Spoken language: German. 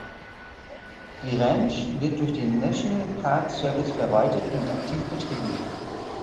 Die Ranch wird durch den National Park Service verwaltet und aktiv betrieben.